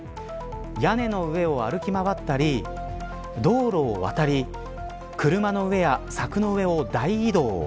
屋根の上を歩き回ったり道路を渡り車の上や柵の上を大移動。